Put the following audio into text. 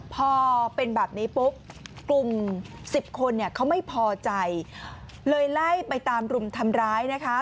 พอเป็นแบบนี้ปุ๊บกลุ่ม๑๐คนเนี่ยเขาไม่พอใจเลยไล่ไปตามรุมทำร้ายนะคะ